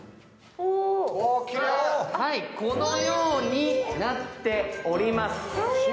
このようになっております。